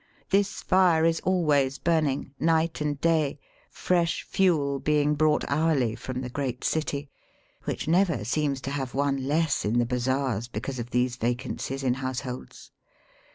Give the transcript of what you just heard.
This fire is always bmning, night and day, fresh fuel being brought hourly from the great city, which never seems to have one less in the bazaars because of these vacancies in households.